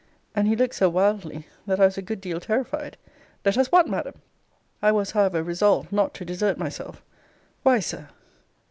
And he looked so wildly, that I was a good deal terrified Let us what, Madam? I was, however, resolved not to desert myself Why, Sir!